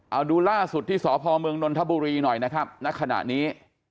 เอาดูล่าสุดที่สพเมืองนนทบุรีหน่อยนะครับณขณะนี้